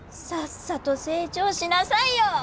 さっさと成長しなさいよ！